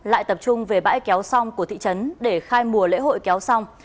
lại tập trung về bãi kéo song của thị trấn để khai mùa lễ hội kéo xong